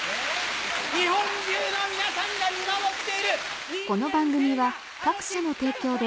日本中の皆さんが見守っている！